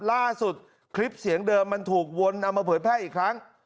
คลิปเสียงเดิมมันถูกวนเอามาเผยแพร่อีกครั้ง